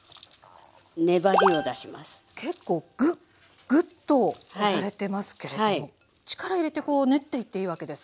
結構グッグッと押されてますけれども力入れてこう練っていっていいわけですか。